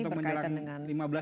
berkaitan dengan ini